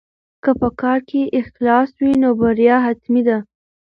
که په کار کې اخلاص وي نو بریا حتمي ده.